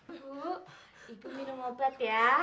ibu ibu minum obat ya